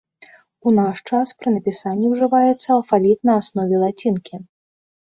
У наш час пры напісанні ўжываецца алфавіт на аснове лацінкі.